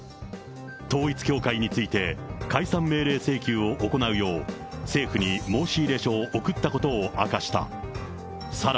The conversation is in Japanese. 統一教会について、解散命令請求を行うよう、政府に申し入れ書を送ったことを明かした。